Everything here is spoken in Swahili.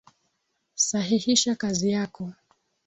Sahihisha kazi yako.